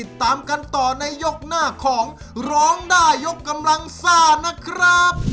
ติดตามกันต่อในยกหน้าของร้องได้ยกกำลังซ่านะครับ